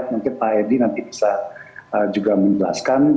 mungkin pak edi nanti bisa juga menjelaskan